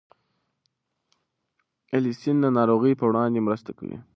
الیسین د ناروغیو پر وړاندې مرسته کوي.